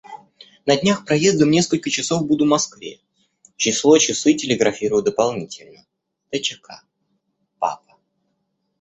«На днях проездом несколько часов буду Москве число часы телеграфирую дополнительно тчк Папа».